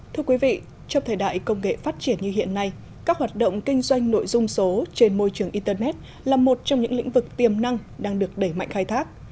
thưa quý vị trong thời đại công nghệ phát triển như hiện nay các hoạt động kinh doanh nội dung số trên môi trường internet là một trong những lĩnh vực tiềm năng đang được đẩy mạnh khai thác